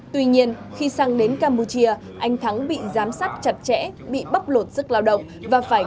tuy nhiên khi sang đến campuchia anh thắng bị giám sát bởi các đối tượng lừa đảo